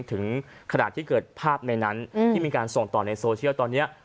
ถึงขนาดที่เกิดภาพในนั้นที่มีการส่งต่อในโซเชียลตอนนี้